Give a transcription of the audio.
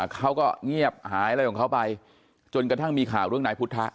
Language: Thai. เขาก็เงียบหายอะไรของเขาไปจนกระทั่งมีข่าวเรื่องนายพุทธะ